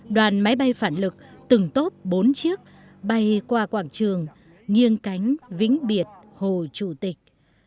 đoàn máy bay phản lực từng tốt bốn chiếc bay qua quảng trường nghiêng cánh vĩnh biệt hồ chủ tịch